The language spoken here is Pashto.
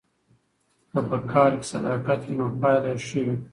که په کار کې صداقت وي نو پایله یې ښه وي.